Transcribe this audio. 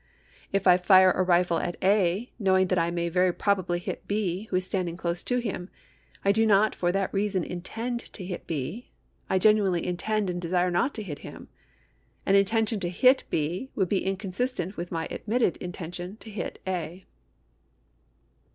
If I fire a rifle at A., knowing that I may very probably hit B. who is standing close to him, I do not for that reason intend to hit B. I genuinely intend and desire not to hit him. An intention to hit B. would be inconsistent with my admitted intention to hit A.